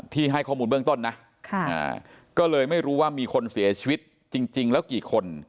ให้ข้อมูลเบื้องต้นนะก็เลยไม่รู้ว่ามีคนเสียชีวิตจริงแล้วกี่คน